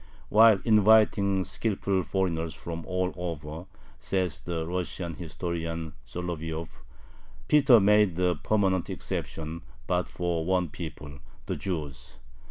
While inviting skilful foreigners from all over says the Russian historian Solovyov Peter made a permanent exception but for one people the Jews.